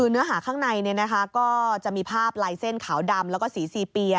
คือเนื้อหาข้างในเนี่ยนะคะก็จะมีภาพลายเส้นขาวดำแล้วก็สีสีเปีย